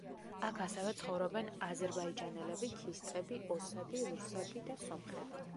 აქ ასევე ცხოვრობენ აზერბაიჯანელები, ქისტები, ოსები, რუსები და სომხები.